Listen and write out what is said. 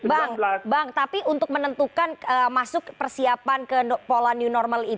bang bang tapi untuk menentukan masuk persiapan ke pola new normal itu